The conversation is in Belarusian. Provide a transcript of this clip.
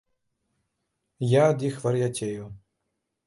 Я ад іх вар'яцею.